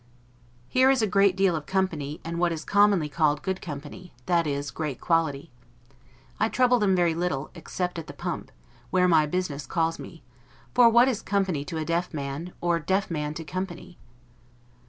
Here is a great deal of company, and what is commonly called good company, that is, great quality. I trouble them very little, except at the pump, where my business calls me; for what is company to a deaf man, or a deaf man to company?